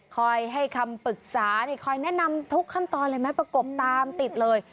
คอยให้คำปรึกษาคอยแนะนำทุกคำตอนอะไรไหมประกบตามติดเลย